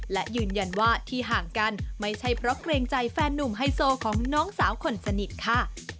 และยืนยันว่าที่ห่างกันไม่ใช่เพราะเกรงใจแฟนนุ่มไฮโซของน้องสาวคนสนิทค่ะ